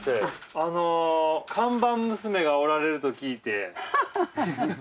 あの看板娘がおられると聞いてハハハハ！